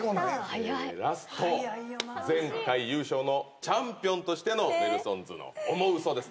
ラスト前回優勝のチャンピオンとしてのネルソンズのオモウソです。